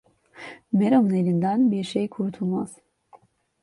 Meramın elinden bir şey kurtulmaz.